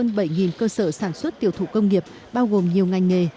tỉnh lào cai hiện có hơn bảy cơ sở sản xuất tiểu thủ công nghiệp bao gồm nhiều ngành nghề